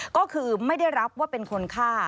ก็คือไม่ได้รับว่าเป็นคนฆ่า